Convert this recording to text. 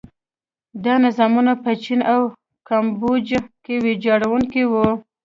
دا نظامونه په چین او کامبوج کې ویجاړوونکي وو.